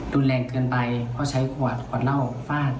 รุนแรงเกินไปเพราะใช้ขวดขวดเหล้าฟาด